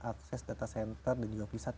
akses data center dan juga pusat